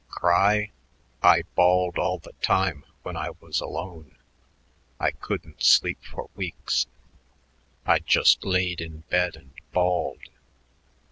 Cry? I bawled all the time when I was alone. I couldn't sleep for weeks; I just laid in bed and bawled.